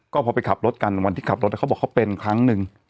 ก็พอไปขับรถกันวันที่ขับรถเขาบอกเขาเป็นครั้งหนึ่ง